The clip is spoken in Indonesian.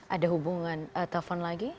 ada hubungan telfon lagi